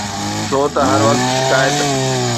ڇو نه هر وقت شڪايت